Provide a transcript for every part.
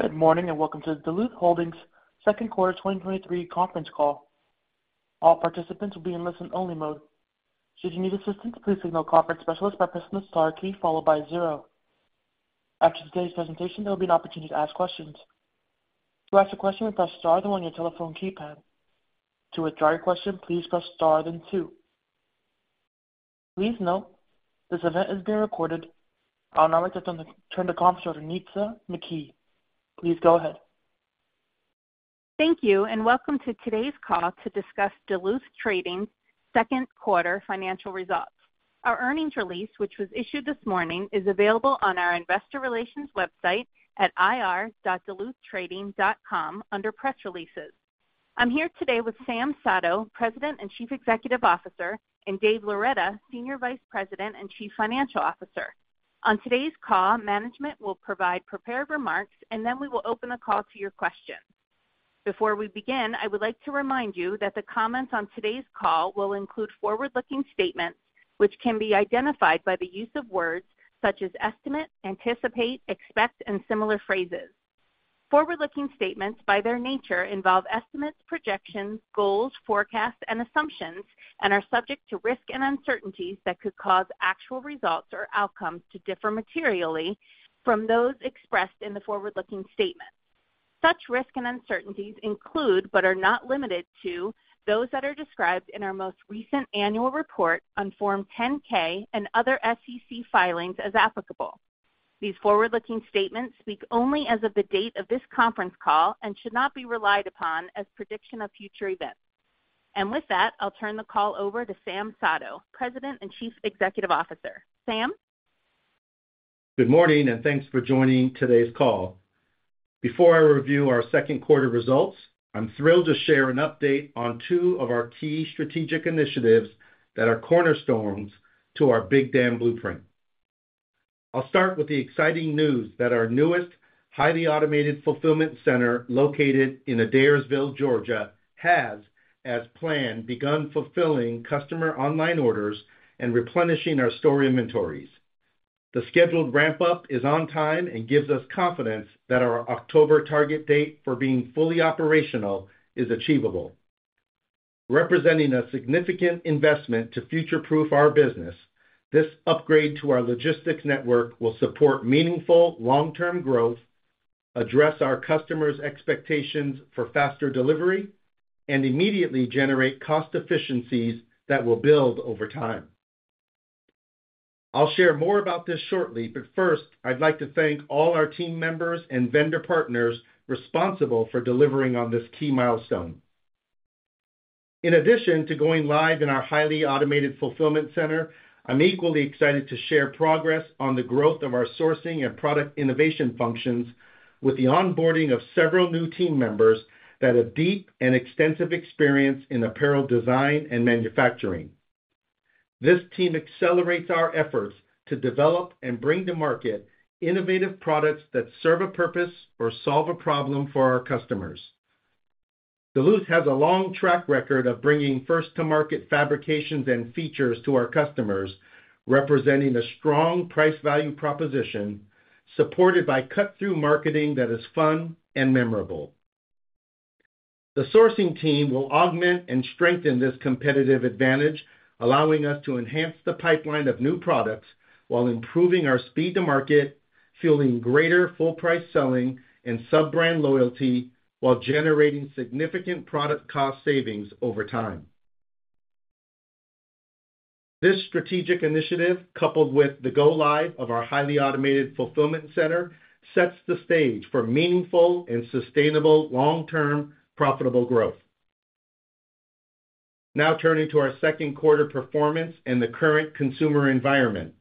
Good morning, and welcome to the Duluth Holdings Q2 2023 conference call. All participants will be in listen-only mode. Should you need assistance, please signal conference specialist by pressing the star key followed by zero. After today's presentation, there will be an opportunity to ask questions. To ask a question, press star then one on your telephone keypad. To withdraw your question, please press star then two. Please note, this event is being recorded. I would now like to turn the conference over to Nitza McKee. Please go ahead. Thank you, and welcome to today's call to discuss Duluth Trading's Q2 financial results. Our earnings release, which was issued this morning, is available on our investor relations website at ir.duluthtrading.com under Press Releases. I'm here today with Sam Sato, President and Chief Executive Officer, and Dave Loretta, Senior Vice President and Chief Financial Officer. On today's call, management will provide prepared remarks, and then we will open the call to your questions. Before we begin, I would like to remind you that the comments on today's call will include forward-looking statements, which can be identified by the use of words such as estimate, anticipate, expect, and similar phrases. Forward-looking statements, by their nature, involve estimates, projections, goals, forecasts, and assumptions, and are subject to risk and uncertainties that could cause actual results or outcomes to differ materially from those expressed in the forward-looking statements. Such risks and uncertainties include, but are not limited to, those that are described in our most recent annual report on Form 10-K and other SEC filings as applicable. These forward-looking statements speak only as of the date of this conference call and should not be relied upon as prediction of future events. With that, I'll turn the call over to Sam Sato, President and Chief Executive Officer. Sam? Good morning, and thanks for joining today's call. Before I review our Q2 results, I'm thrilled to share an update on two of our key strategic initiatives that are cornerstones to our Big Dam Blueprint. I'll start with the exciting news that our newest, highly automated fulfillment center, located in Adairsville, Georgia, has, as planned, begun fulfilling customer online orders and replenishing our store inventories. The scheduled ramp-up is on time and gives us confidence that our October target date for being fully operational is achievable. Representing a significant investment to future-proof our business, this upgrade to our logistics network will support meaningful long-term growth, address our customers' expectations for faster delivery, and immediately generate cost efficiencies that will build over time. I'll share more about this shortly, but first, I'd like to thank all our team members and vendor partners responsible for delivering on this key milestone. In addition to going live in our highly automated fulfillment center, I'm equally excited to share progress on the growth of our sourcing and product innovation functions with the onboarding of several new team members that have deep and extensive experience in apparel design and manufacturing. This team accelerates our efforts to develop and bring to market innovative products that serve a purpose or solve a problem for our customers. Duluth has a long track record of bringing first-to-market fabrications and features to our customers, representing a strong price-value proposition supported by cut-through marketing that is fun and memorable. The sourcing team will augment and strengthen this competitive advantage, allowing us to enhance the pipeline of new products while improving our speed to market, fueling greater full price selling and sub-brand loyalty, while generating significant product cost savings over time. This strategic initiative, coupled with the go live of our highly automated fulfillment center, sets the stage for meaningful and sustainable, long-term, profitable growth. Now, turning to our Q2 performance and the current consumer environment.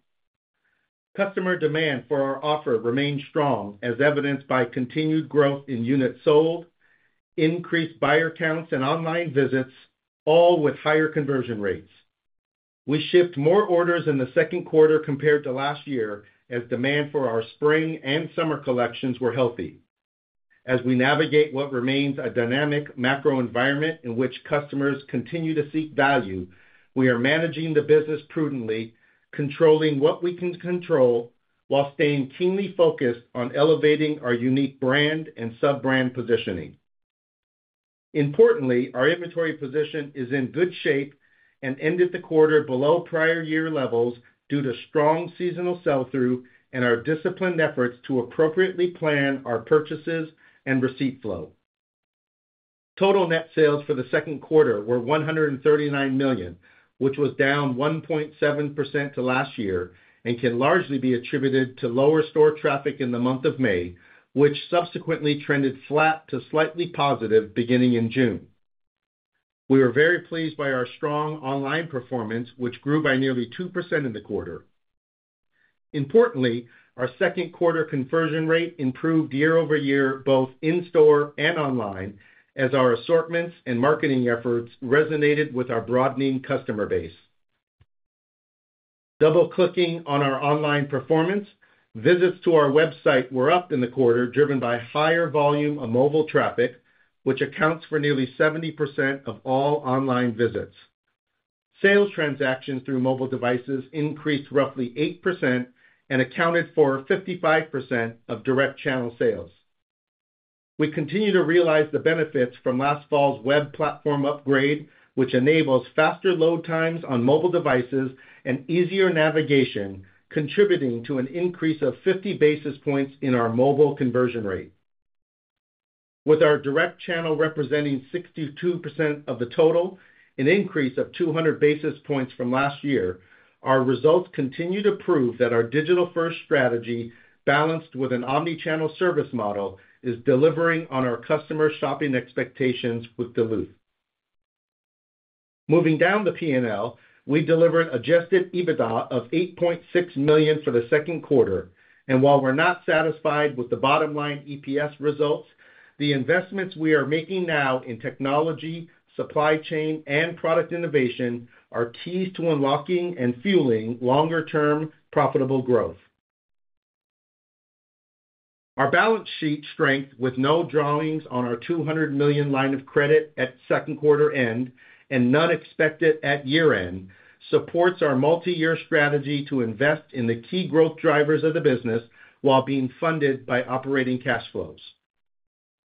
Customer demand for our offer remained strong, as evidenced by continued growth in units sold, increased buyer counts, and online visits, all with higher conversion rates. We shipped more orders in the Q2 compared to last year, as demand for our spring and summer collections were healthy. As we navigate what remains a dynamic macro environment in which customers continue to seek value, we are managing the business prudently, controlling what we can control, while staying keenly focused on elevating our unique brand and sub-brand positioning. Importantly, our inventory position is in good shape and ended the quarter below prior year levels due to strong seasonal sell-through and our disciplined efforts to appropriately plan our purchases and receipt flow. Total net sales for the Q2 were $139 million, which was down 1.7% to last year and can largely be attributed to lower store traffic in the month of May, which subsequently trended flat to slightly positive beginning in June. We were very pleased by our strong online performance, which grew by nearly 2% in the quarter. Importantly, our Q2 conversion rate improved year-over-year, both in-store and online, as our assortments and marketing efforts resonated with our broadening customer base. Double-clicking on our online performance, visits to our website were up in the quarter, driven by higher volume of mobile traffic, which accounts for nearly 70% of all online visits. Sales transactions through mobile devices increased roughly 8% and accounted for 55% of direct channel sales. We continue to realize the benefits from last fall's web platform upgrade, which enables faster load times on mobile devices and easier navigation, contributing to an increase of 50 basis points in our mobile conversion rate. With our direct channel representing 62% of the total, an increase of 200 basis points from last year, our results continue to prove that our digital-first strategy, balanced with an omni-channel service model, is delivering on our customer shopping expectations with Duluth. Moving down the PNL, we delivered Adjusted EBITDA of $8.6 million for the Q2, and while we're not satisfied with the bottom-line EPS results, the investments we are making now in technology, supply chain, and product innovation are keys to unlocking and fueling longer-term profitable growth. Our balance sheet strength, with no drawings on our $200 million line of credit at Q2 end, and none expected at year-end, supports our multi-year strategy to invest in the key growth drivers of the business while being funded by operating cash flows.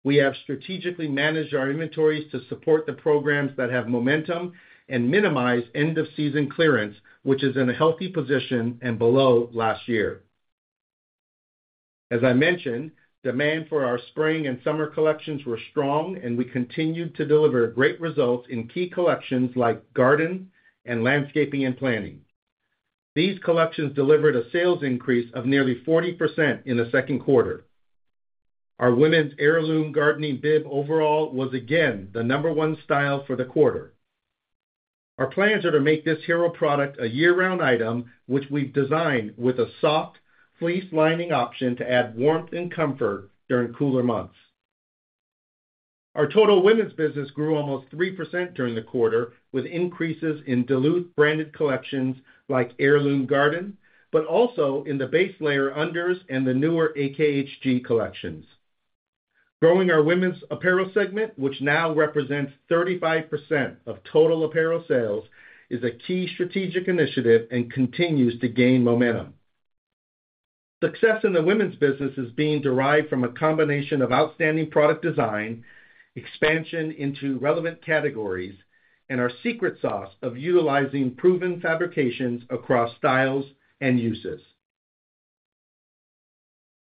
We have strategically managed our inventories to support the programs that have momentum and minimize end-of-season clearance, which is in a healthy position and below last year. As I mentioned, demand for our spring and summer collections were strong, and we continued to deliver great results in key collections like Garden and Landscaping and Planting. These collections delivered a sales increase of nearly 40% in the Q2. Our women's Heirloom Gardening Bib Overall was again the number one style for the quarter. Our plans are to make this hero product a year-round item, which we've designed with a soft fleece lining option to add warmth and comfort during cooler months. Our total women's business grew almost 3% during the quarter, with increases in Duluth-branded collections like Heirloom Garden, but also in the base layer unders and the newer AKHG collections. Growing our women's apparel segment, which now represents 35% of total apparel sales, is a key strategic initiative and continues to gain momentum. Success in the women's business is being derived from a combination of outstanding product design, expansion into relevant categories, and our secret sauce of utilizing proven fabrications across styles and uses.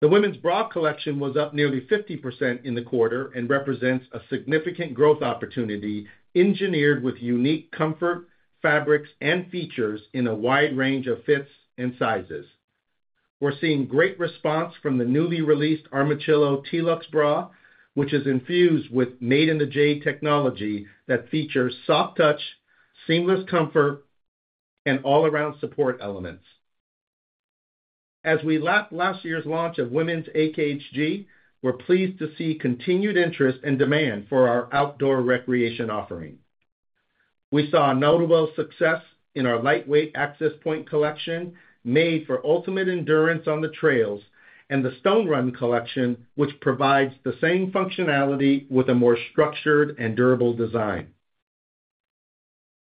The women's bra collection was up nearly 50% in the quarter and represents a significant growth opportunity, engineered with unique comfort, fabrics, and features in a wide range of fits and sizes. We're seeing great response from the newly released Armachillo Chill-Luxe bra, which is infused with Made in the Jade technology that features soft touch, seamless comfort, and all around support elements. As we left last year's launch of Women's AKHG, we're pleased to see continued interest and demand for our outdoor recreation offering. We saw a notable success in our lightweight Access Point collection, made for ultimate endurance on the trails, and the Stone Run collection, which provides the same functionality with a more structured and durable design.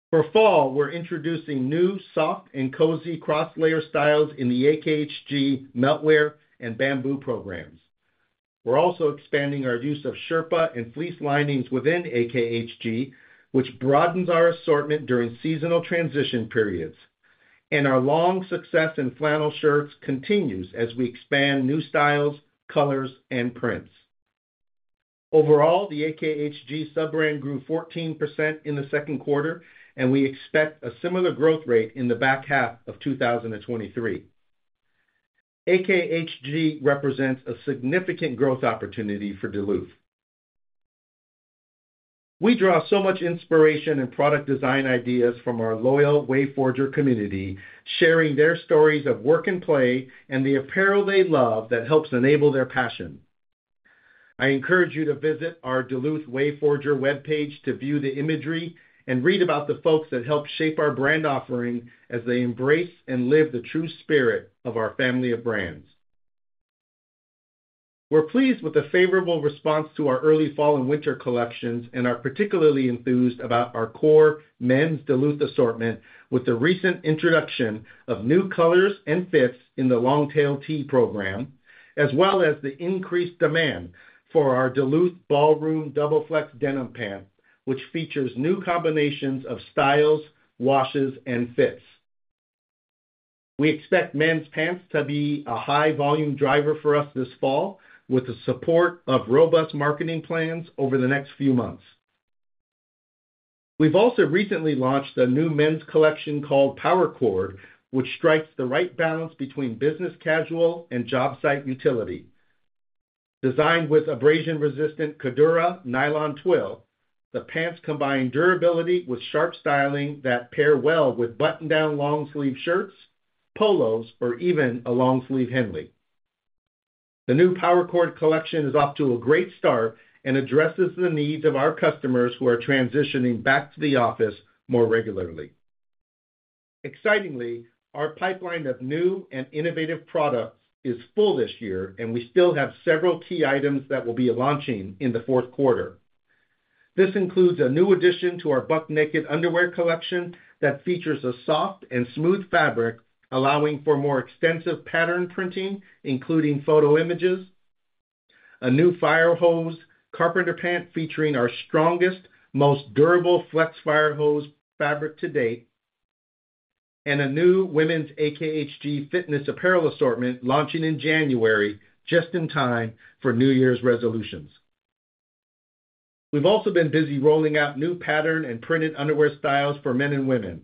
For fall, we're introducing new, soft, and cozy cross-layer styles in the AKHG Meltware and Bamboo programs. We're also expanding our use of Sherpa and fleece linings within AKHG, which broadens our assortment during seasonal transition periods. And our long success in flannel shirts continues as we expand new styles, colors, and prints. Overall, the AKHG sub-brand grew 14% in the Q2, and we expect a similar growth rate in the back half of 2023. AKHG represents a significant growth opportunity for Duluth. We draw so much inspiration and product design ideas from our loyal Wayforger community, sharing their stories of work and play and the apparel they love that helps enable their passion. I encourage you to visit our Duluth Wayforger webpage to view the imagery and read about the folks that helped shape our brand offering as they embrace and live the true spirit of our family of brands. We're pleased with the favorable response to our early fall and winter collections and are particularly enthused about our core men's Duluth assortment, with the recent introduction of new colors and fits in the Longtail T program, as well as the increased demand for our DuluthFlex Ballroom Double Flex denim pant, which features new combinations of styles, washes, and fits. We expect men's pants to be a high volume driver for us this fall, with the support of robust marketing plans over the next few months. We've also recently launched a new men's collection called Power Cord, which strikes the right balance between business casual and job site utility. Designed with abrasion-resistant Cordura nylon twill, the pants combine durability with sharp styling that pair well with button-down long sleeve shirts, polos, or even a long sleeve henley. The new Power Cord collection is off to a great start and addresses the needs of our customers who are transitioning back to the office more regularly. Excitingly, our pipeline of new and innovative products is full this year, and we still have several key items that we'll be launching in the Q4. This includes a new addition to our Buck Naked underwear collection that features a soft and smooth fabric, allowing for more extensive pattern printing, including photo images, a new Fire Hose carpenter pant featuring our strongest, most durable flex Fire Hose fabric to date, and a new women's AKHG fitness apparel assortment launching in January, just in time for New Year's resolutions. We've also been busy rolling out new pattern and printed underwear styles for men and women.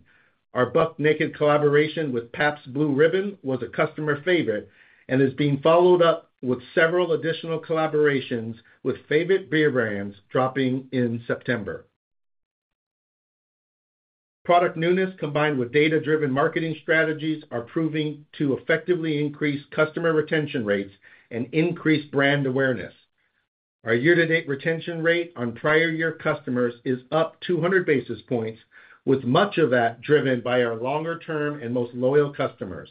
Our Buck Naked collaboration with Pabst Blue Ribbon was a customer favorite and is being followed up with several additional collaborations, with favorite beer brands dropping in September. Product newness, combined with data-driven marketing strategies, are proving to effectively increase customer retention rates and increase brand awareness. Our year-to-date retention rate on prior year customers is up 200 basis points, with much of that driven by our longer-term and most loyal customers.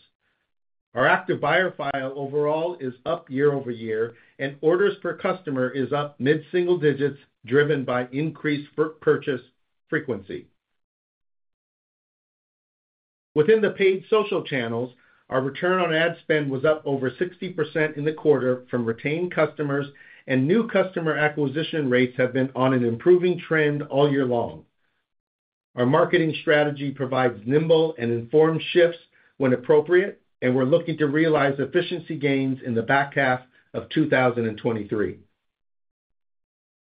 Our active buyer file overall is up year-over-year, and orders per customer is up mid-single digits, driven by increased purchase frequency. Within the paid social channels, our return on ad spend was up over 60% in the quarter from retained customers, and new customer acquisition rates have been on an improving trend all year long. Our marketing strategy provides nimble and informed shifts when appropriate, and we're looking to realize efficiency gains in the back half of 2023.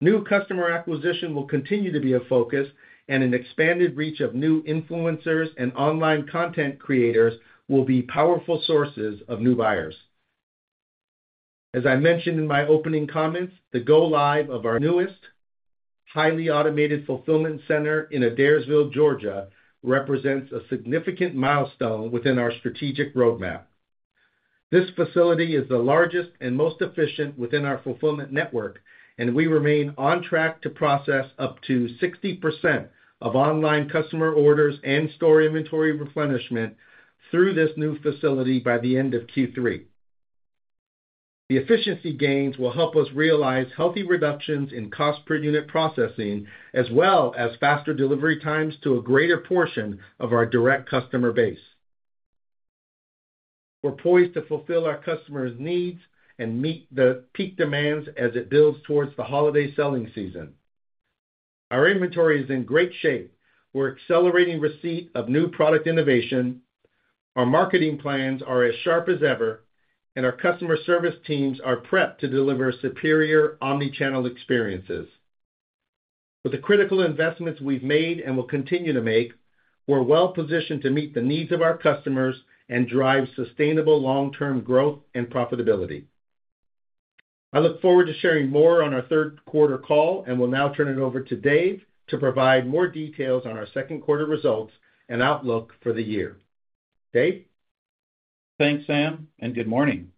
New customer acquisition will continue to be a focus, and an expanded reach of new influencers and online content creators will be powerful sources of new buyers. As I mentioned in my opening comments, the go-live of our newest, highly automated fulfillment center in Adairsville, Georgia, represents a significant milestone within our strategic roadmap. This facility is the largest and most efficient within our fulfillment network, and we remain on track to process up to 60% of online customer orders and store inventory replenishment through this new facility by the end of Q3. The efficiency gains will help us realize healthy reductions in cost per unit processing, as well as faster delivery times to a greater portion of our direct customer base. We're poised to fulfill our customers' needs and meet the peak demands as it builds towards the holiday selling season. Our inventory is in great shape. We're accelerating receipt of new product innovation, our marketing plans are as sharp as ever, and our customer service teams are prepped to deliver superior omnichannel experiences. With the critical investments we've made and will continue to make, we're well positioned to meet the needs of our customers and drive sustainable long-term growth and profitability. I look forward to sharing more on our Q3 call and will now turn it over to Dave to provide more details on our Q2 results and outlook for the year. Dave? Thanks, Sam, and good morning.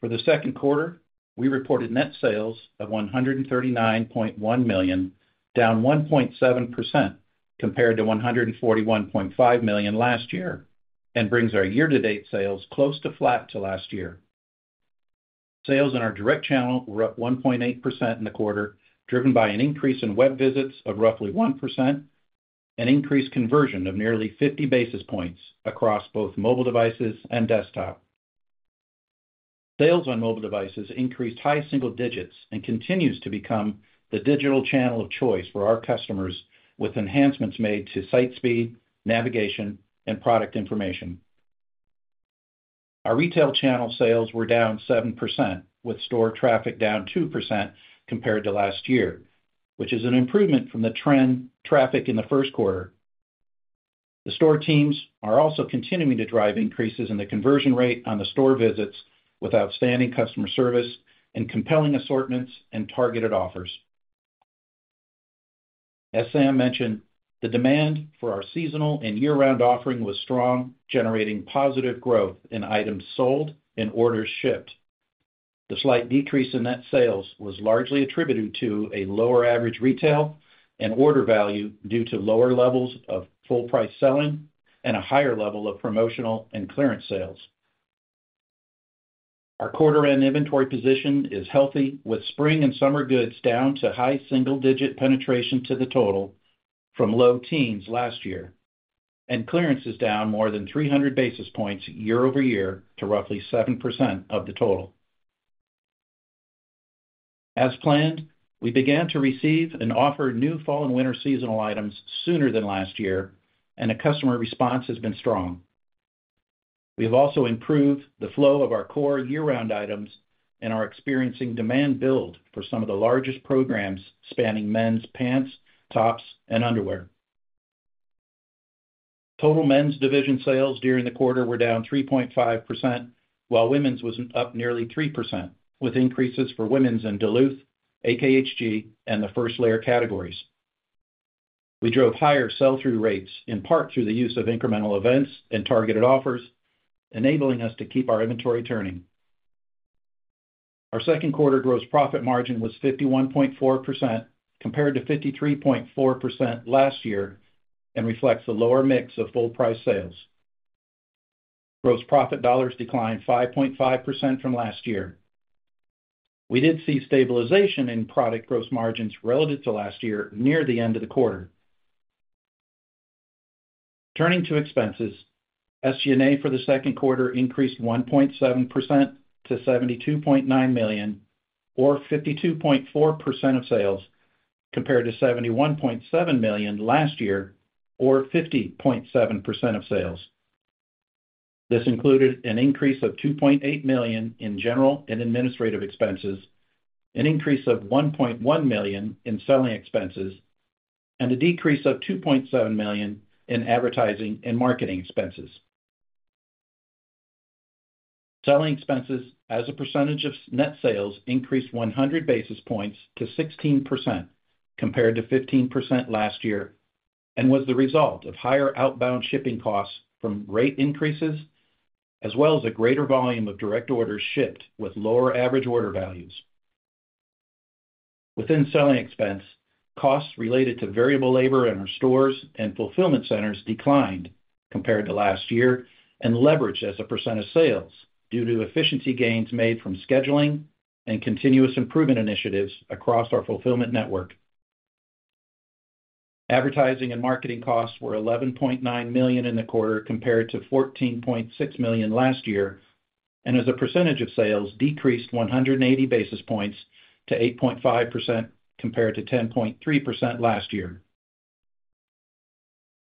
For the Q2, we reported net sales of $139.1 million, down 1.7% compared to $141.5 million last year, and brings our year-to-date sales close to flat to last year. Sales in our direct channel were up 1.8% in the quarter, driven by an increase in web visits of roughly 1% and increased conversion of nearly 50 basis points across both mobile devices and desktop. Sales on mobile devices increased high single digits and continues to become the digital channel of choice for our customers, with enhancements made to site speed, navigation, and product information. Our retail channel sales were down 7%, with store traffic down 2% compared to last year, which is an improvement from the trend traffic in the Q1. The store teams are also continuing to drive increases in the conversion rate on the store visits, with outstanding customer service and compelling assortments and targeted offers. As Sam mentioned, the demand for our seasonal and year-round offering was strong, generating positive growth in items sold and orders shipped. The slight decrease in net sales was largely attributed to a lower average retail and order value due to lower levels of full price selling and a higher level of promotional and clearance sales. Our quarter end inventory position is healthy, with spring and summer goods down to high single digit penetration to the total from low teens last year, and clearance is down more than 300 basis points year-over-year to roughly 7% of the total. As planned, we began to receive and offer new fall and winter seasonal items sooner than last year, and the customer response has been strong. We have also improved the flow of our core year-round items and are experiencing demand build for some of the largest programs, spanning men's pants, tops, and underwear. Total men's division sales during the quarter were down 3.5%, while women's was up nearly 3%, with increases for women's in Duluth, AKHG, and the first layer categories. We drove higher sell-through rates, in part through the use of incremental events and targeted offers, enabling us to keep our inventory turning... Our Q2 gross profit margin was 51.4%, compared to 53.4% last year, and reflects a lower mix of full price sales. Gross profit dollars declined 5.5% from last year. We did see stabilization in product gross margins relative to last year, near the end of the quarter. Turning to expenses, SG&A for the Q2 increased 1.7% to $72.9 million, or 52.4% of sales, compared to $71.7 million last year, or 50.7% of sales. This included an increase of $2.8 million in general and administrative expenses, an increase of $1.1 million in selling expenses, and a decrease of $2.7 million in advertising and marketing expenses. Selling expenses as a percentage of net sales increased 100 basis points to 16%, compared to 15% last year, and was the result of higher outbound shipping costs from rate increases, as well as a greater volume of direct orders shipped with lower average order values. Within selling expense, costs related to variable labor in our stores and fulfillment centers declined compared to last year and leveraged as a percent of sales due to efficiency gains made from scheduling and continuous improvement initiatives across our fulfillment network. Advertising and marketing costs were $11.9 million in the quarter, compared to $14.6 million last year, and as a percentage of sales, decreased 180 basis points to 8.5%, compared to 10.3% last year.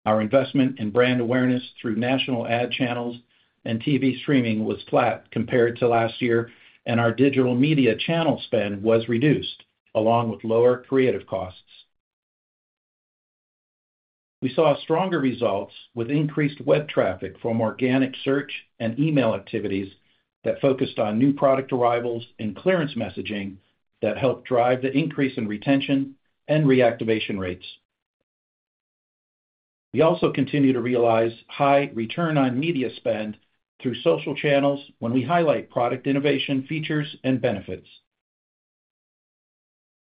Our investment in brand awareness through national ad channels and TV streaming was flat compared to last year, and our digital media channel spend was reduced along with lower creative costs. We saw stronger results with increased web traffic from organic search and email activities that focused on new product arrivals and clearance messaging that helped drive the increase in retention and reactivation rates. We also continue to realize high return on media spend through social channels when we highlight product innovation, features, and benefits.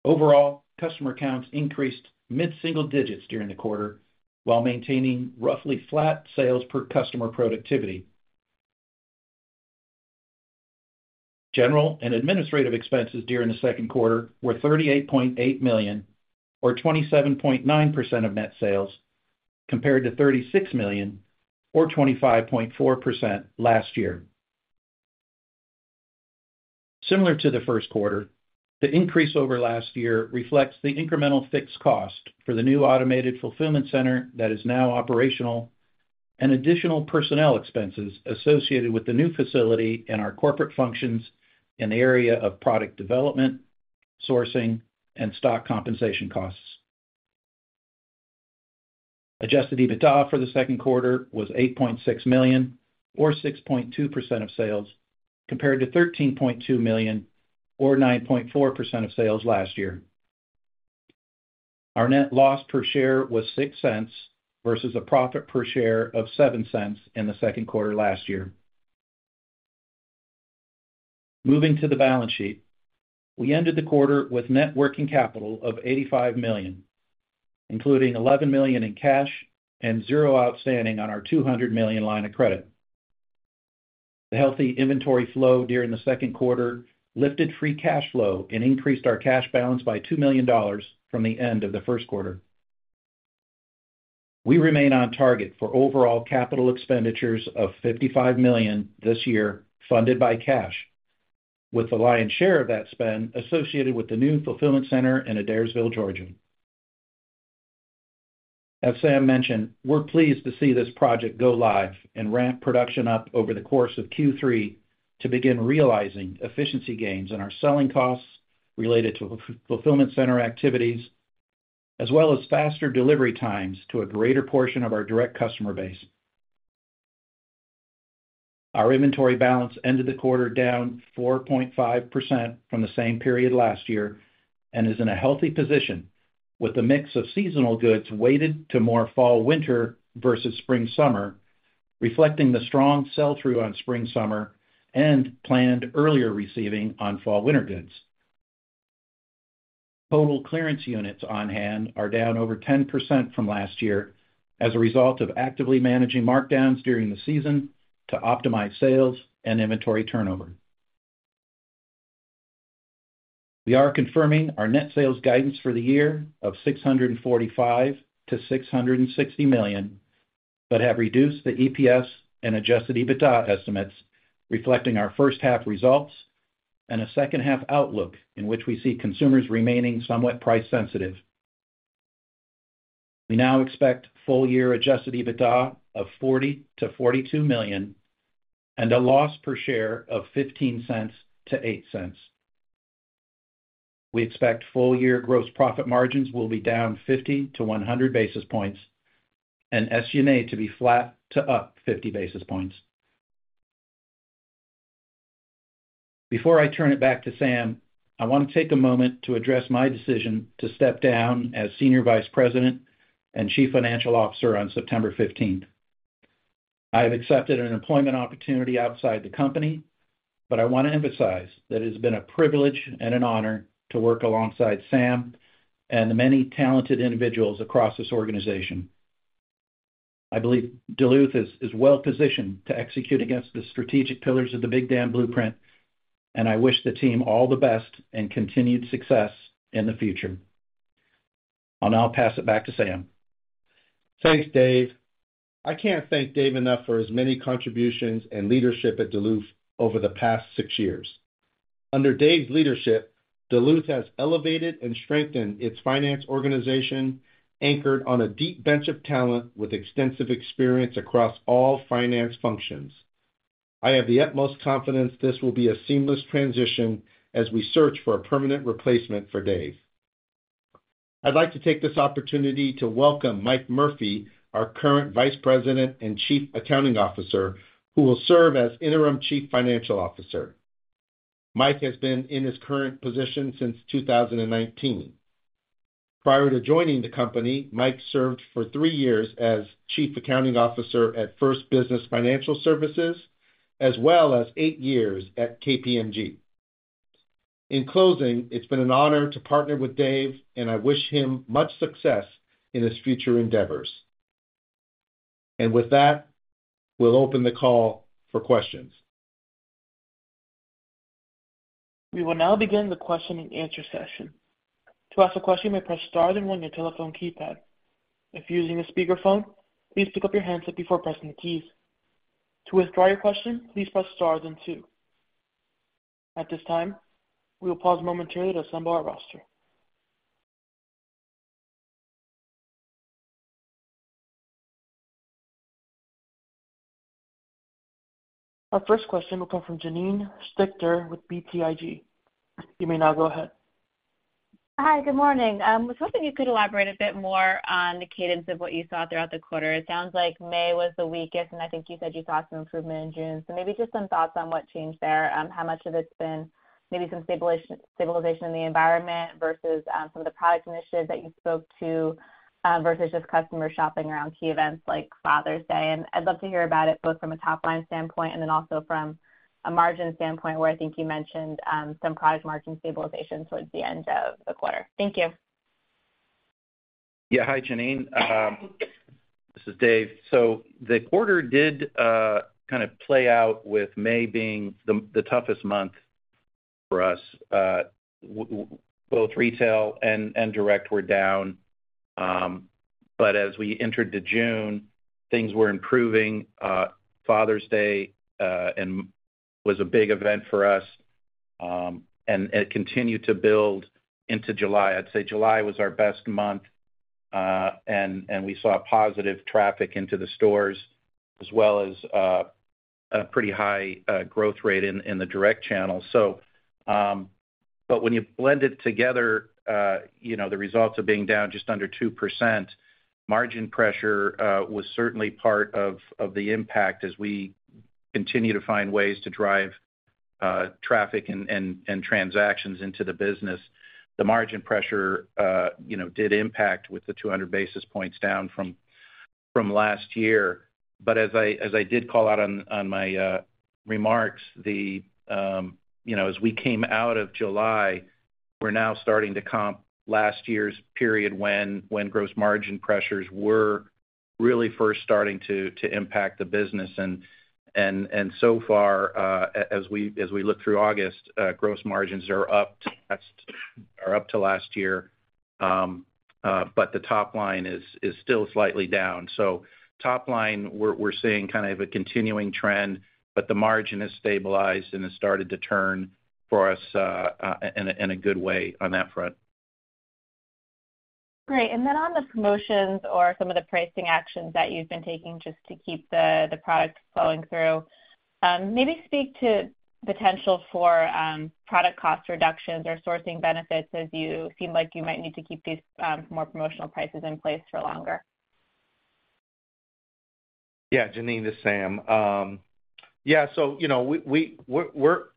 Overall, customer counts increased mid-single digits during the quarter, while maintaining roughly flat sales per customer productivity. General and administrative expenses during the Q2 were $38.8 million, or 27.9% of net sales, compared to $36 million, or 25.4% last year. Similar to the Q1, the increase over last year reflects the incremental fixed cost for the new automated fulfillment center that is now operational, and additional personnel expenses associated with the new facility and our corporate functions in the area of product development, sourcing, and stock compensation costs. Adjusted EBITDA for the Q2 was $8.6 million, or 6.2% of sales, compared to $13.2 million, or 9.4% of sales last year. Our net loss per share was $0.06, versus a profit per share of $0.07 in the Q2 last year. Moving to the balance sheet. We ended the quarter with net working capital of $85 million, including $11 million in cash and zero outstanding on our $200 million line of credit. The healthy inventory flow during the Q2 lifted free cash flow and increased our cash balance by $2 million from the end of the Q1. We remain on target for overall capital expenditures of $55 million this year, funded by cash, with the lion's share of that spend associated with the new fulfillment center in Adairsville, Georgia. As Sam mentioned, we're pleased to see this project go live and ramp production up over the course of Q3 to begin realizing efficiency gains in our selling costs related to fulfillment center activities, as well as faster delivery times to a greater portion of our direct customer base. Our inventory balance ended the quarter down 4.5% from the same period last year and is in a healthy position with the mix of seasonal goods weighted to more fall/winter versus spring/summer, reflecting the strong sell-through on spring/summer and planned earlier receiving on fall/winter goods. Total clearance units on hand are down over 10% from last year as a result of actively managing markdowns during the season to optimize sales and inventory turnover. We are confirming our net sales guidance for the year of $645 million-$660 million, but have reduced the EPS and Adjusted EBITDA estimates, reflecting our H1 results and a H2 outlook in which we see consumers remaining somewhat price sensitive. We now expect full-year Adjusted EBITDA of $40 million-$42 million and a loss per share of $0.15-$0.08. We expect full-year gross profit margins will be down 50-100 basis points and SG&A to be flat to up 50 basis points. Before I turn it back to Sam, I want to take a moment to address my decision to step down as Senior Vice President and Chief Financial Officer on September 15th. I have accepted an employment opportunity outside the company, but I want to emphasize that it has been a privilege and an honor to work alongside Sam and the many talented individuals across this organization. I believe Duluth is well positioned to execute against the strategic pillars of the Big Dam Blueprint, and I wish the team all the best and continued success in the future. I'll now pass it back to Sam. Thanks, Dave. I can't thank Dave enough for his many contributions and leadership at Duluth over the past six years. Under Dave's leadership, Duluth has elevated and strengthened its finance organization, anchored on a deep bench of talent with extensive experience across all finance functions. I have the utmost confidence this will be a seamless transition as we search for a permanent replacement for Dave. I'd like to take this opportunity to welcome Mike Murphy, our current Vice President and Chief Accounting Officer, who will serve as interim Chief Financial Officer. Mike has been in his current position since 2019. Prior to joining the company, Mike served for three years as chief accounting officer at First Business Financial Services, as well as eight years at KPMG. In closing, it's been an honor to partner with Dave, and I wish him much success in his future endeavors. With that, we'll open the call for questions. We will now begin the question and answer session. To ask a question, press star then one on your telephone keypad. If using a speakerphone, please pick up your handset before pressing the keys. To withdraw your question, please press star then two. At this time, we will pause momentarily to assemble our roster. Our first question will come from Janine Stichter with BTIG. You may now go ahead. Hi, good morning. I was hoping you could elaborate a bit more on the cadence of what you saw throughout the quarter. It sounds like May was the weakest, and I think you said you saw some improvement in June. So maybe just some thoughts on what changed there, how much of it's been maybe some stabilization in the environment versus some of the product initiatives that you spoke to, versus just customer shopping around key events like Father's Day? And I'd love to hear about it both from a top-line standpoint and then also from a margin standpoint, where I think you mentioned some product margin stabilization towards the end of the quarter. Thank you. Yeah. Hi, Janine. This is Dave. So the quarter did kind of play out with May being the toughest month for us. Both retail and direct were down, but as we entered to June, things were improving. Father's Day and was a big event for us, and it continued to build into July. I'd say July was our best month, and we saw positive traffic into the stores, as well as a pretty high growth rate in the direct channel. So, but when you blend it together, you know, the results of being down just under 2%, margin pressure was certainly part of the impact as we continue to find ways to drive traffic and transactions into the business. The margin pressure, you know, did impact with the 200 basis points down from last year. But as I did call out on my remarks, you know, as we came out of July, we're now starting to comp last year's period when gross margin pressures were really first starting to impact the business. And so far, as we look through August, gross margins are up to last year. But the top line is still slightly down. So top line, we're seeing kind of a continuing trend, but the margin has stabilized and has started to turn for us in a good way on that front. Great. And then on the promotions or some of the pricing actions that you've been taking, just to keep the products flowing through, maybe speak to potential for product cost reductions or sourcing benefits as you seem like you might need to keep these more promotional prices in place for longer? Yeah, Janine, this is Sam. Yeah, so you know, we're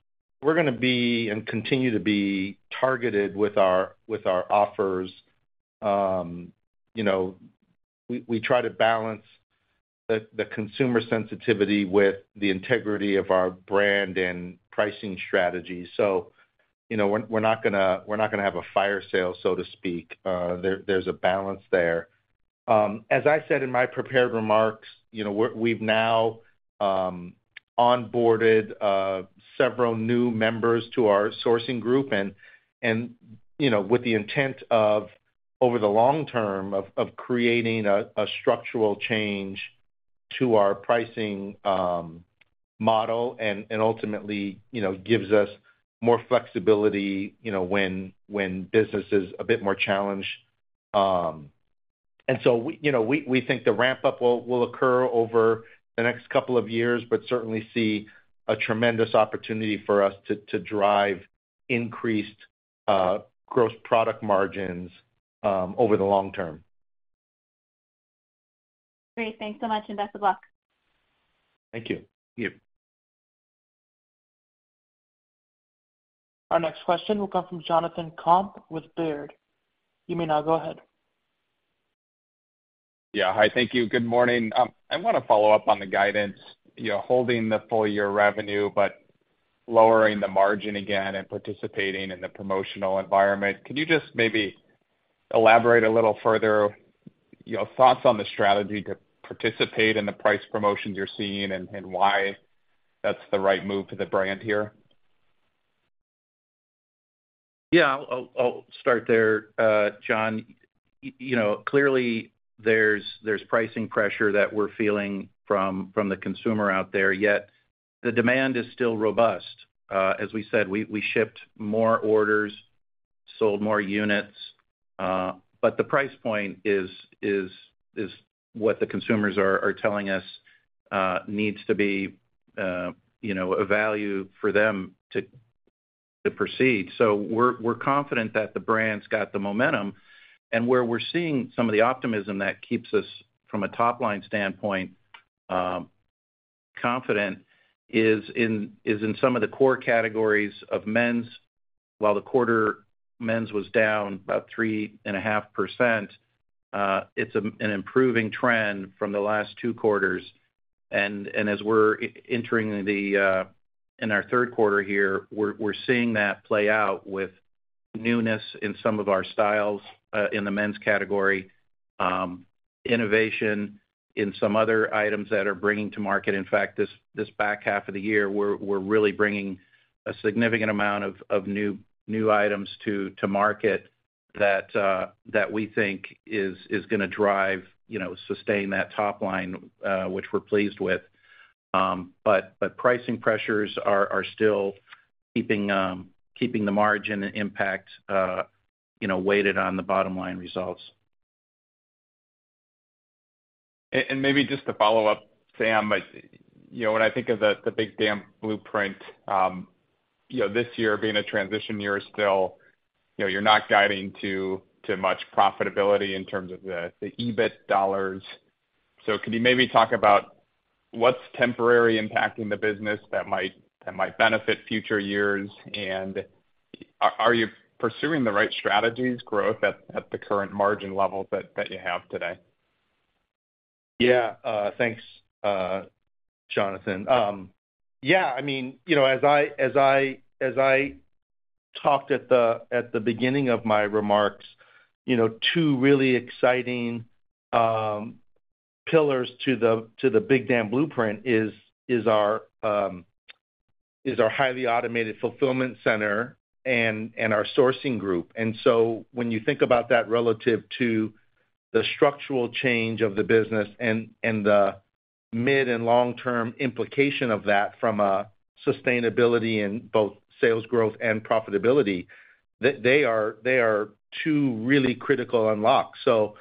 gonna be and continue to be targeted with our offers. You know, we try to balance the consumer sensitivity with the integrity of our brand and pricing strategy. So, you know, we're not gonna have a fire sale, so to speak. There's a balance there. As I said in my prepared remarks, you know, we've now onboarded several new members to our sourcing group and, you know, with the intent of over the long term, of creating a structural change to our pricing model, and ultimately, you know, gives us more flexibility, you know, when business is a bit more challenged. And so we, you know, we think the ramp-up will occur over the next couple of years, but certainly see a tremendous opportunity for us to drive increased gross product margins over the long term. Great. Thanks so much, and best of luck. Thank you. Thank you. Our next question will come from Jonathan Komp with Baird. You may now go ahead. Yeah. Hi, thank you. Good morning. I want to follow up on the guidance. You know, holding the full year revenue, but lowering the margin again and participating in the promotional environment. Can you just maybe elaborate a little further, your thoughts on the strategy to participate in the price promotions you're seeing and, and why that's the right move for the brand here? Yeah. I'll start there, John. You know, clearly, there's pricing pressure that we're feeling from the consumer out there, yet the demand is still robust. As we said, we shipped more orders, sold more units, but the price point is what the consumers are telling us needs to be, you know, a value for them to proceed. So we're confident that the brand's got the momentum. And where we're seeing some of the optimism that keeps us, from a top-line standpoint, confident, is in some of the core categories of men's. While the quarter men's was down about 3.5%, it's an improving trend from the last two quarters. As we're entering the in our Q3 here, we're seeing that play out with newness in some of our styles in the men's category. Innovation in some other items that are bringing to market. In fact, this back half of the year, we're really bringing a significant amount of new items to market that we think is gonna drive, you know, sustain that top line, which we're pleased with. But pricing pressures are still keeping the margin impact, you know, weighted on the bottom-line results. And maybe just to follow up, Sam. You know, when I think of the Big Dam Blueprint, you know, this year being a transition year still, you know, you're not guiding to much profitability in terms of the EBIT dollars. So could you maybe talk about what's temporarily impacting the business that might benefit future years? And are you pursuing the right strategies growth at the current margin levels that you have today? Yeah. Thanks, Jonathan. Yeah, I mean, you know, as I, as I, as I talked at the, at the beginning of my remarks, you know, two really exciting pillars to the, to the Big Dam Blueprint is, is our, is our highly automated fulfillment center and, and our sourcing group. And so when you think about that relative to the structural change of the business and, and the mid and long-term implication of that from a sustainability in both sales growth and profitability, they are, they are two really critical unlocks. So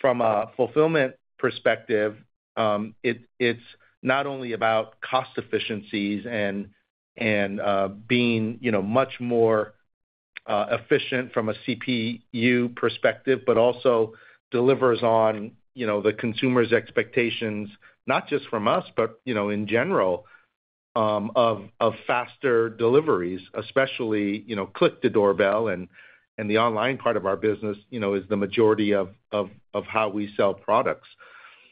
from a fulfillment perspective, it's not only about cost efficiencies and being, you know, much more efficient from a CPU perspective, but also delivers on, you know, the consumer's expectations, not just from us, but, you know, in general, of faster deliveries, especially, you know, click-to-doorbell, and the online part of our business, you know, is the majority of how we sell products.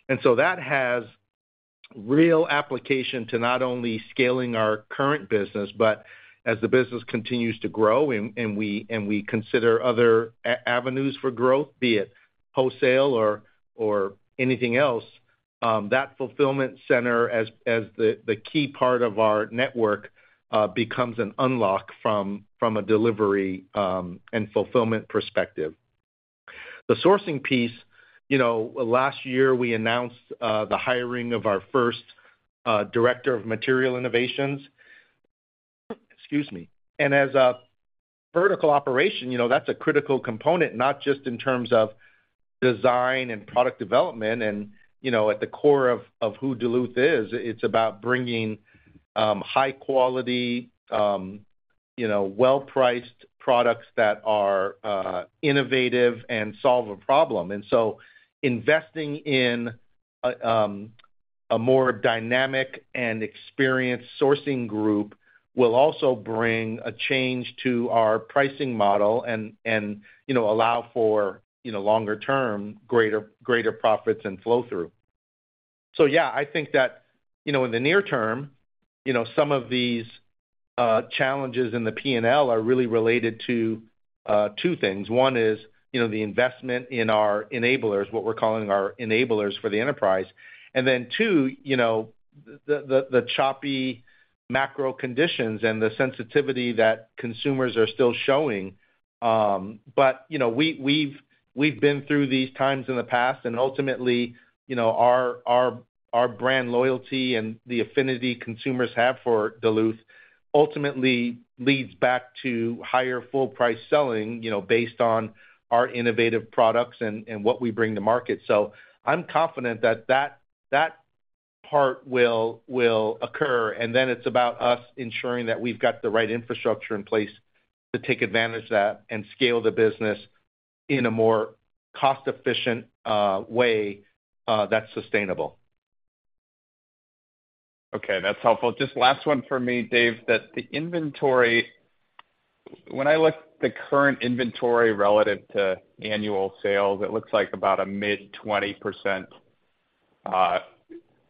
And so that has real application to not only scaling our current business, but as the business continues to grow and we consider other avenues for growth, be it wholesale or anything else, that fulfillment center as the key part of our network becomes an unlock from a delivery and fulfillment perspective. The sourcing piece, you know, last year, we announced the hiring of our first director of material innovations. Excuse me. As a vertical operation, you know, that's a critical component, not just in terms of design and product development and, you know, at the core of, of who Duluth is. It's about bringing high quality, you know, well-priced products that are innovative and solve a problem. And so investing in a more dynamic and experienced sourcing group will also bring a change to our pricing model and, and, you know, allow for, you know, longer term, greater, greater profits and flow-through. So yeah, I think that, you know, in the near term, you know, some of these challenges in the P&L are really related to two things. One is, you know, the investment in our enablers, what we're calling our enablers for the enterprise. And then two, you know, the choppy macro conditions and the sensitivity that consumers are still showing. But, you know, we've been through these times in the past and ultimately, you know, our brand loyalty and the affinity consumers have for Duluth ultimately leads back to higher full price selling, you know, based on our innovative products and what we bring to market. So I'm confident that that part will occur, and then it's about us ensuring that we've got the right infrastructure in place to take advantage of that and scale the business in a more cost-efficient way that's sustainable. Okay, that's helpful. Just last one for me, Dave, that the inventory, when I look at the current inventory relative to annual sales, it looks like about a mid-20%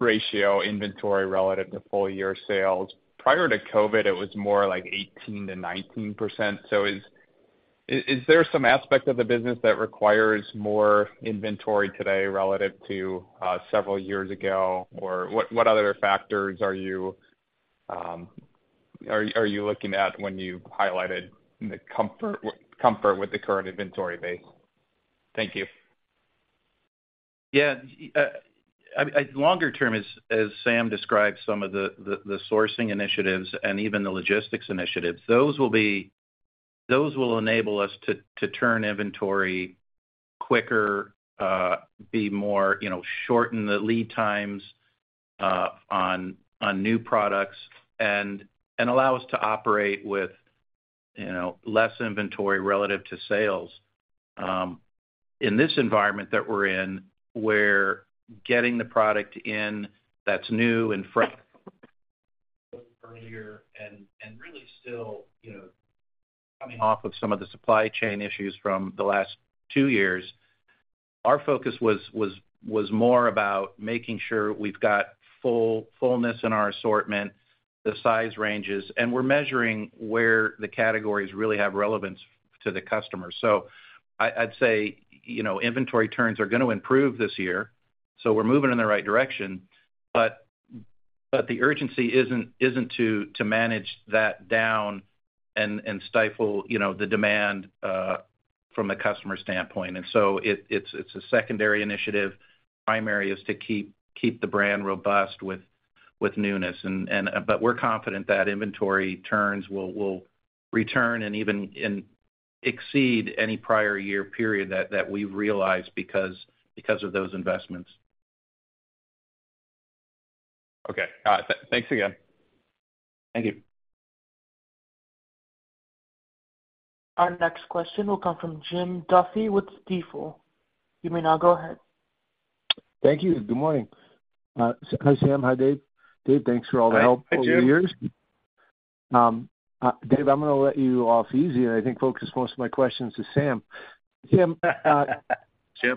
ratio inventory relative to full year sales. Prior to COVID, it was more like 18%-19%. So is there some aspect of the business that requires more inventory today relative to several years ago? Or what other factors are you looking at when you highlighted the comfort with the current inventory base? Thank you. Yeah, I mean, longer term, as Sam described, some of the sourcing initiatives and even the logistics initiatives, those will enable us to turn inventory quicker, be more, you know, shorten the lead times on new products, and allow us to operate with, you know, less inventory relative to sales. In this environment that we're in, where getting the product in that's new and fresh earlier and really still, you know, coming off of some of the supply chain issues from the last two years, our focus was more about making sure we've got fullness in our assortment, the size ranges, and we're measuring where the categories really have relevance to the customer. So I'd say, you know, inventory turns are going to improve this year, so we're moving in the right direction, but the urgency isn't to manage that down and stifle, you know, the demand from a customer standpoint. And so it's a secondary initiative. Primary is to keep the brand robust with newness. But we're confident that inventory turns will return and even exceed any prior year period that we've realized because of those investments. Okay. All right. Thanks again. Thank you. Our next question will come from Jim Duffy with Stifel. You may now go ahead. Thank you. Good morning. Hi, Sam. Hi, Dave. Dave, thanks for all the help- Hi, Jim Over the years. Dave, I'm gonna let you off easy, and I think focus most of my questions to Sam. Sam, Jim.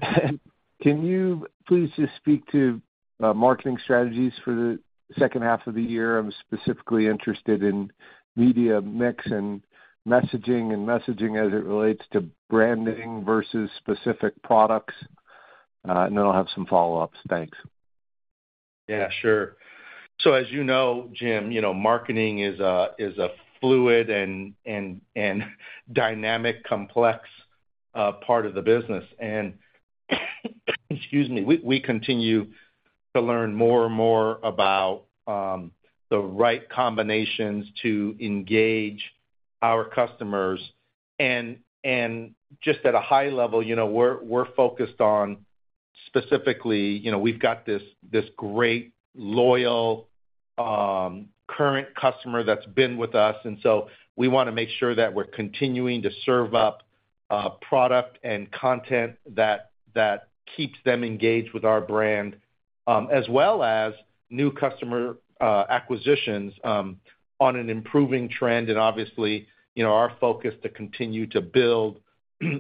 Can you please just speak to, marketing strategies for the H2 of the year? I'm specifically interested in media mix and messaging, and messaging as it relates to branding versus specific products. And then I'll have some follow-ups. Thanks. Yeah, sure. So as you know, Jim, you know, marketing is a fluid and dynamic, complex part of the business. And, excuse me, we continue to learn more and more about the right combinations to engage our customers. And just at a high level, you know, we're focused on specifically, you know, we've got this great, loyal current customer that's been with us, and so we wanna make sure that we're continuing to serve up product and content that keeps them engaged with our brand. As well as new customer acquisitions on an improving trend. And obviously, you know, our focus to continue to build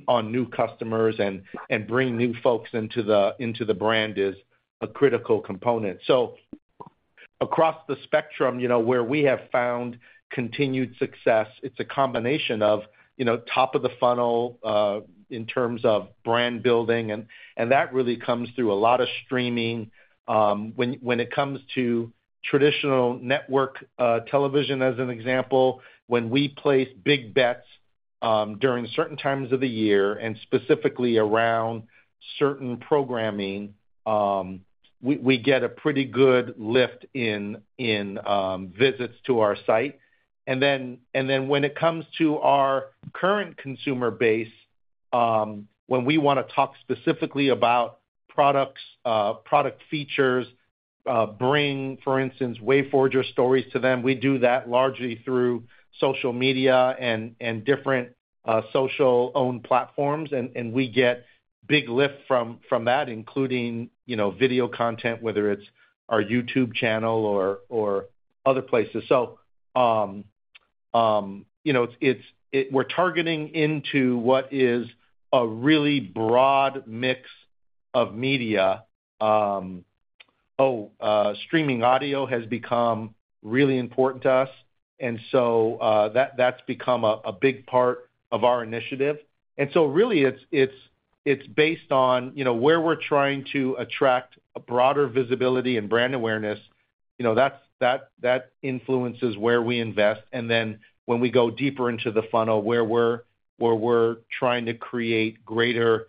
on new customers and bring new folks into the brand is a critical component. So across the spectrum, you know, where we have found continued success, it's a combination of, you know, top of the funnel, in terms of brand building, and that really comes through a lot of streaming. When it comes to traditional network television, as an example, when we place big bets during certain times of the year, and specifically around certain programming, we get a pretty good lift in visits to our site. And then when it comes to our current consumer base, when we wanna talk specifically about products, product features, bring for instance Wayforger stories to them, we do that largely through social media and different social owned platforms, and we get big lift from that, including, you know, video content, whether it's our YouTube channel or other places. So, you know, it's. We're targeting into what is a really broad mix of media. Oh, streaming audio has become really important to us, and so, that's become a big part of our initiative. And so really, it's based on, you know, where we're trying to attract a broader visibility and brand awareness, you know, that's influences where we invest. And then when we go deeper into the funnel, where we're trying to create greater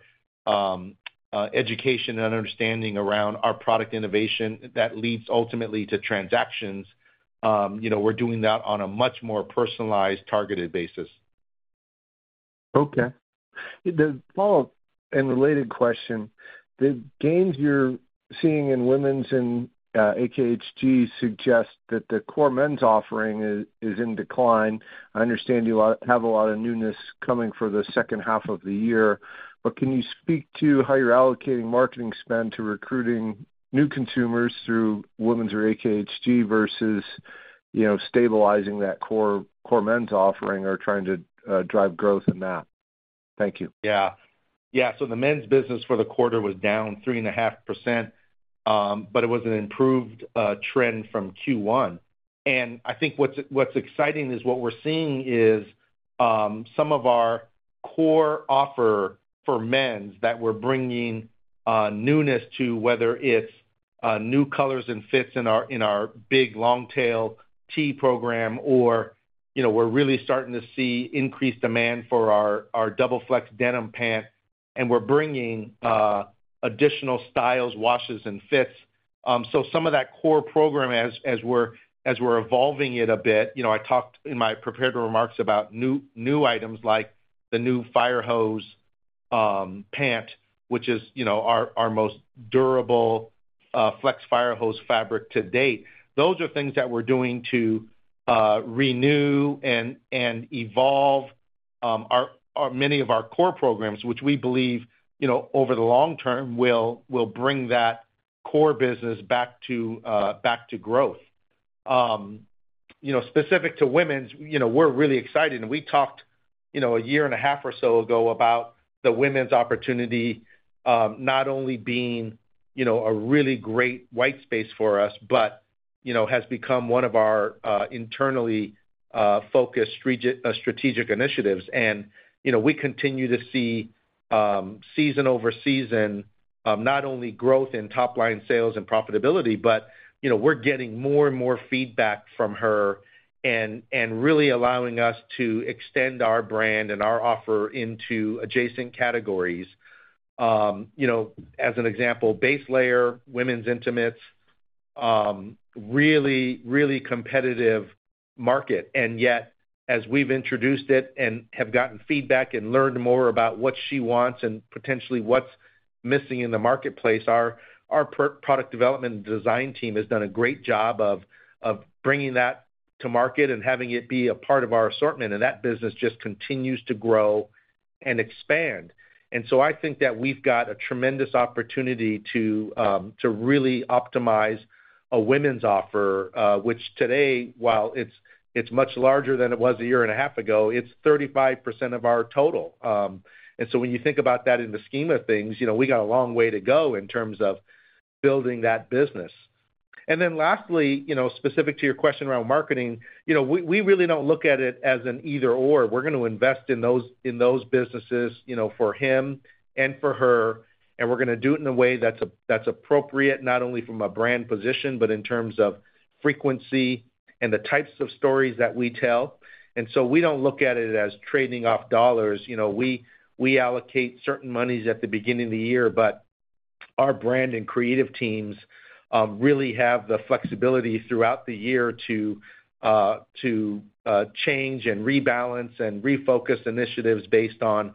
education and understanding around our product innovation that leads ultimately to transactions, you know, we're doing that on a much more personalized, targeted basis. Okay. The follow-up and related question: The gains you're seeing in women's and AKHG suggest that the core men's offering is in decline. I understand you have a lot of newness coming for the H2 of the year, but can you speak to how you're allocating marketing spend to recruiting new consumers through women's or AKHG versus you know, stabilizing that core men's offering or trying to drive growth in that? Thank you. Yeah. Yeah, so the men's business for the quarter was down 3.5%, but it was an improved trend from Q1. And I think what's exciting is what we're seeing is some of our core offer for men's that we're bringing newness to, whether it's new colors and fits in our big Longtail T program, or, you know, we're really starting to see increased demand for our double flex denim pant, and we're bringing additional styles, washes, and fits. So some of that core program, as we're evolving it a bit, you know, I talked in my prepared remarks about new items like the new Fire Hose pant, which is, you know, our most durable flex Fire Hose fabric to date. Those are things that we're doing to renew and evolve many of our core programs, which we believe, you know, over the long term will bring that core business back to growth. You know, specific to women's, you know, we're really excited, and we talked, you know, a year and a half or so ago about the women's opportunity, not only being, you know, a really great white space for us, but, you know, has become one of our internally focused strategic initiatives. You know, we continue to see, season over season, not only growth in top-line sales and profitability, but, you know, we're getting more and more feedback from her and really allowing us to extend our brand and our offer into adjacent categories. You know, as an example, base layer, women's intimates, really, really competitive market. And yet, as we've introduced it and have gotten feedback and learned more about what she wants and potentially what's missing in the marketplace, our product development and design team has done a great job of bringing that to market and having it be a part of our assortment, and that business just continues to grow and expand. And so I think that we've got a tremendous opportunity to really optimize a women's offer, which today, while it's much larger than it was a year and a half ago, it's 35% of our total. And so when you think about that in the scheme of things, you know, we got a long way to go in terms of building that business. And then lastly, you know, specific to your question around marketing, you know, we, we really don't look at it as an either/or. We're going to invest in those, in those businesses, you know, for him and for her, and we're gonna do it in a way that's appropriate, not only from a brand position, but in terms of frequency and the types of stories that we tell. And so we don't look at it as trading off dollars. You know, we, we allocate certain monies at the beginning of the year, but our brand and creative teams really have the flexibility throughout the year to change and rebalance and refocus initiatives based on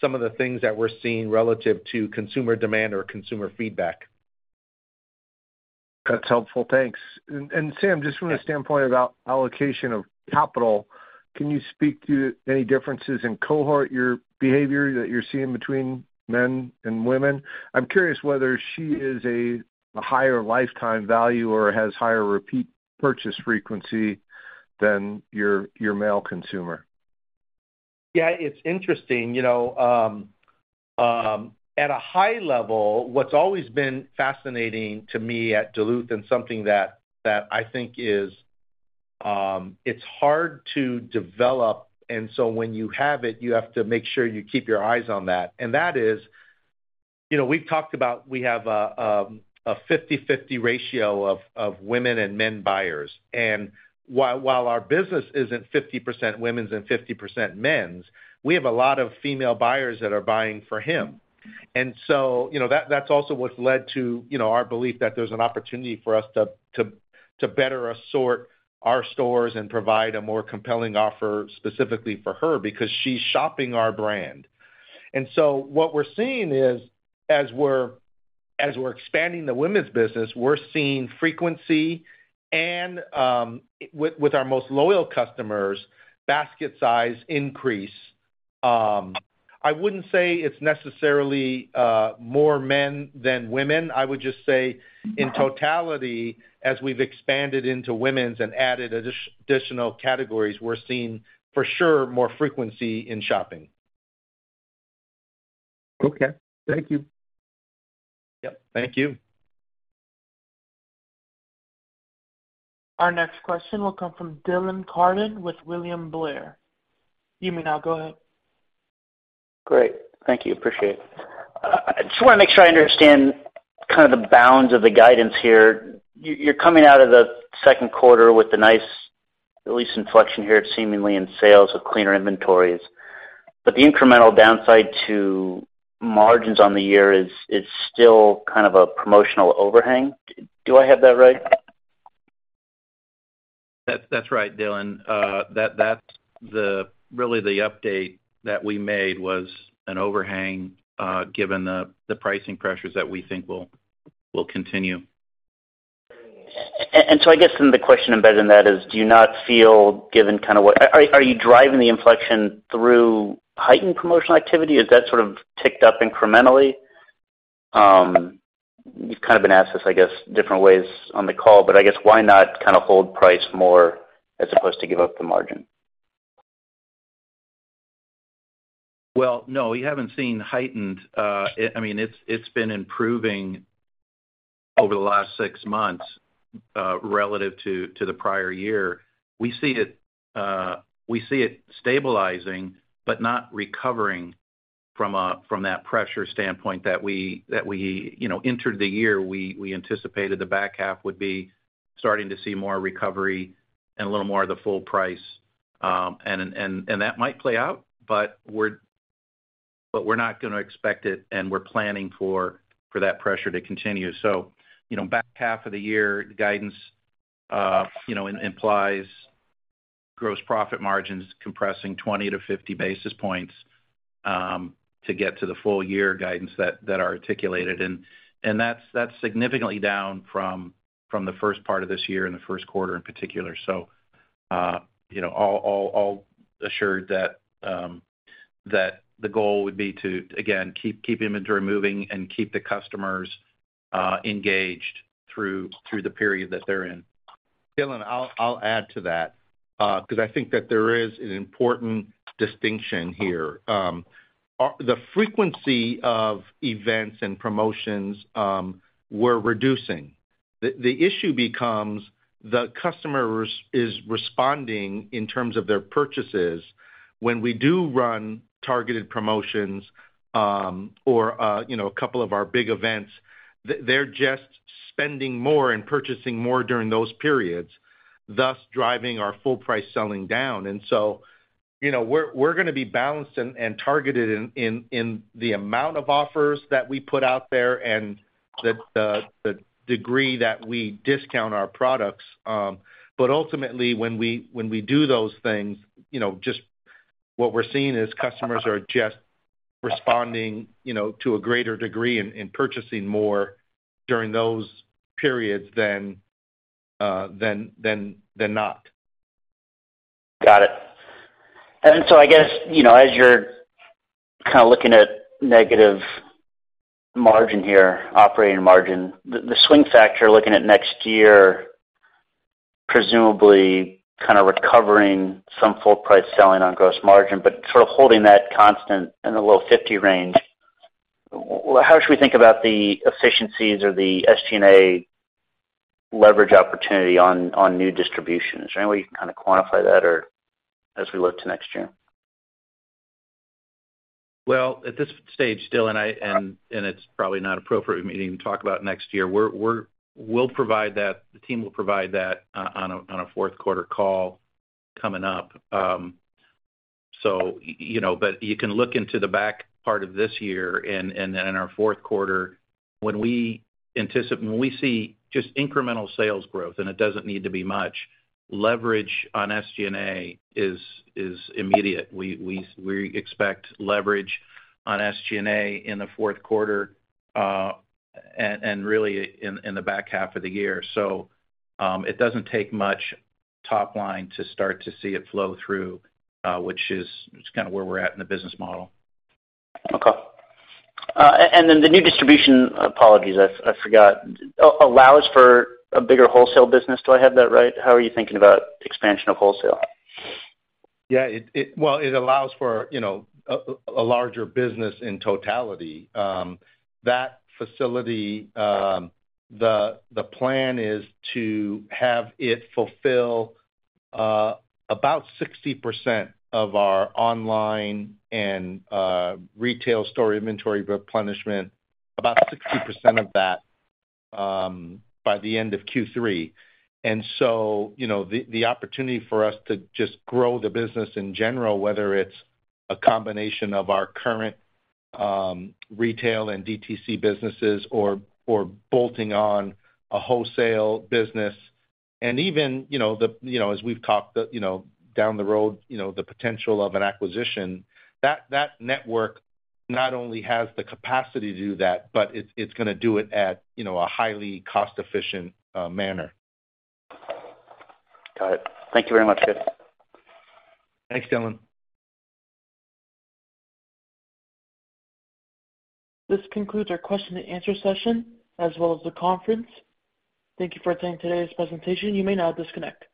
some of the things that we're seeing relative to consumer demand or consumer feedback. That's helpful. Thanks. And Sam, just from the standpoint about allocation of capital, can you speak to any differences in cohort, your behavior that you're seeing between men and women? I'm curious whether she is a higher lifetime value or has higher repeat purchase frequency than your male consumer. Yeah, it's interesting, you know, at a high level, what's always been fascinating to me at Duluth and something that, that I think is... it's hard to develop, and so when you have it, you have to make sure you keep your eyes on that. And that is, you know, we've talked about we have a, a 50/50 ratio of, of women and men buyers. And while, while our business isn't 50% women's and 50% men's, we have a lot of female buyers that are buying for him. And so, you know, that, that's also what's led to, you know, our belief that there's an opportunity for us to, to, to better assort our stores and provide a more compelling offer specifically for her, because she's shopping our brand. So what we're seeing is, as we're expanding the women's business, we're seeing frequency and with our most loyal customers, basket size increase. I wouldn't say it's necessarily more men than women. I would just say in totality, as we've expanded into women's and added additional categories, we're seeing, for sure, more frequency in shopping. Okay. Thank you. Yep, thank you. Our next question will come from Dylan Carden with William Blair. You may now go ahead. Great. Thank you. Appreciate it. I just wanna make sure I understand kind of the bounds of the guidance here. You, you're coming out of the Q2 with a nice, at least inflection here, seemingly in sales with cleaner inventories. But the incremental downside to margins on the year is, is still kind of a promotional overhang. Do I have that right? That's, that's right, Dylan. That's really the update that we made was an overhang, given the pricing pressures that we think will continue. And so I guess then the question embedded in that is, do you not feel, given kind of what are you driving the inflection through heightened promotional activity? Has that sort of ticked up incrementally? You've kind of been asked this, I guess, different ways on the call, but I guess why not kind of hold price more as opposed to give up the margin? Well, no, we haven't seen heightened. I mean, it's been improving over the last six months relative to the prior year. We see it stabilizing, but not recovering from that pressure standpoint that we you know entered the year. We anticipated the back half would be starting to see more recovery and a little more of the full price. And that might play out, but we're not gonna expect it, and we're planning for that pressure to continue. So, you know, back half of the year, the guidance you know implies gross profit margins compressing 20-50 basis points to get to the full year guidance that are articulated. And that's significantly down from the first part of this year and the Q1 in particular. So, you know, all assured that the goal would be to again keep inventory moving and keep the customers engaged through the period that they're in. Dylan, I'll add to that, because I think that there is an important distinction here. The frequency of events and promotions, we're reducing. The issue becomes the customer is responding in terms of their purchases. When we do run targeted promotions, or, you know, a couple of our big events, they're just spending more and purchasing more during those periods, thus driving our full price selling down. And so, you know, we're gonna be balanced and targeted in the amount of offers that we put out there and the degree that we discount our products. But ultimately, when we do those things, you know, just what we're seeing is customers are just responding, you know, to a greater degree and purchasing more during those periods than not. Got it. And so I guess, you know, as you're kind of looking at negative margin here, operating margin, the swing factor, looking at next year, presumably kind of recovering some full price selling on gross margin, but sort of holding that constant in the low 50 range, how should we think about the efficiencies or the SG&A leverage opportunity on, on new distribution? Is there any way you can kind of quantify that or as we look to next year? Well, at this stage, Dylan, and it's probably not appropriate for me to even talk about next year. We're we'll provide that, the team will provide that, on a Q4 call coming up. So, you know, but you can look into the back part of this year and then in our Q4, when we see just incremental sales growth, and it doesn't need to be much, leverage on SG&A is immediate. We expect leverage on SG&A in the Q4, and really, in the back half of the year. So, it doesn't take much top line to start to see it flow through, which is kind of where we're at in the business model. Okay. And then the new distribution, apologies, I forgot, allows for a bigger wholesale business. Do I have that right? How are you thinking about expansion of wholesale? Yeah, it allows for, you know, a larger business in totality. That facility, the plan is to have it fulfill about 60% of our online and retail store inventory replenishment, about 60% of that, by the end of Q3. So, you know, the opportunity for us to just grow the business in general, whether it's a combination of our current retail and DTC businesses, or bolting on a wholesale business, and even, you know, as we've talked, down the road, the potential of an acquisition, that network not only has the capacity to do that, but it's gonna do it at, you know, a highly cost-efficient manner. Got it. Thank you very much, guys. Thanks, Dylan. This concludes our question and answer session as well as the conference. Thank you for attending today's presentation. You may now disconnect.